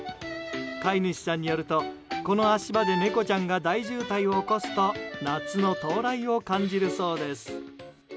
飼い主さんによるとこの足場で猫ちゃんが大渋滞を起こすと夏の到来を感じるそうです。